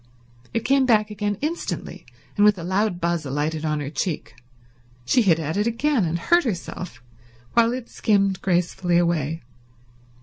It came back again instantly, and with a loud buzz alighted on her cheek. She hit at it again and hurt herself, while it skimmed gracefully away.